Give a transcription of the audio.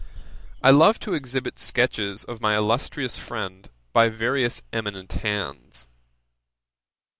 I love to exhibit sketches of my illustrious friend by various eminent hands.